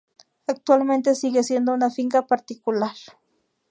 Actualmente sigue siendo una finca particular.